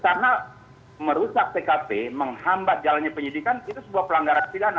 karena merusak tkp menghambat jalannya penyidikan itu sebuah pelanggaran pidana